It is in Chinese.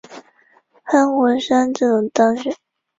潘国山自动当选。